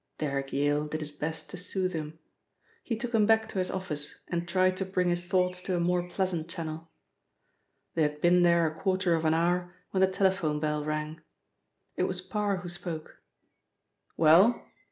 Derrick Yale did his best to soothe him. He took him back to his office and tried to bring his thoughts to a more pleasant channel. They had been there a quarter of an hour when the telephone bell rang. It was Parr who spoke. "Well?"